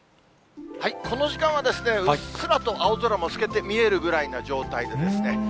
この時間は、うっすらと青空も透けて見えるぐらいな状態ですね。